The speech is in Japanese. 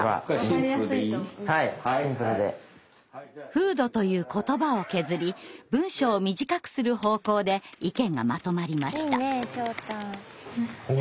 「風土」という言葉を削り文章を短くする方向で意見がまとまりました。